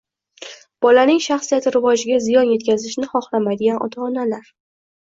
Bolaning shaxsiyati rivojiga ziyon yetkazishni xohlamaydigan ota-onalar